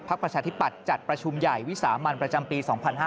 ประชาธิปัตย์จัดประชุมใหญ่วิสามันประจำปี๒๕๕๙